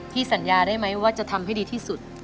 สัญญาได้ไหมว่าจะทำให้ดีที่สุด